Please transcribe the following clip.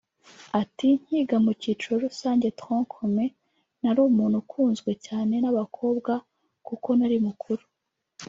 Ati “Nkinga mu cyiciro rusange (tronc commun) nari umuntu ukunzwe cyane n’abakobwa kuko nari mukuru